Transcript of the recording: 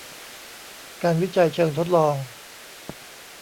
การวิจัยเชิงทดลอง